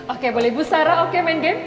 oke boleh bu sara oke main game